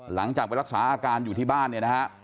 หลังจากไปรักษาอาการอยู่ที่บ้านเนี่ยนะฮะ